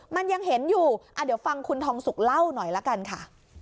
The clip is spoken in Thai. มันยังเห็นอยู่เดี๋ยวฟังคุณทองสุกเล่าหน่อยละกันค่ะ